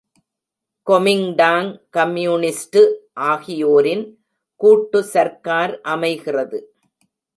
Kuomintang communist ஆகியோரின் கூட்டு சர்க்கார் அமைகிறது.